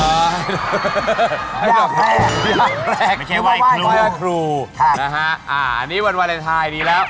ยากแพงไม่ใช่ว่าว่ายครูค่ะอันนี้วันวาเลนไทยดีแล้ว